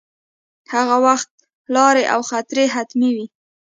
هغه وخت لارې او خطرې حتمې وې.